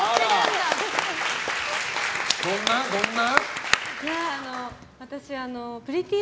どんな？